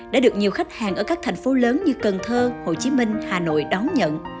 đã được nhiều khách hàng ở các thành phố lớn như cần thơ hồ chí minh hà nội đón nhận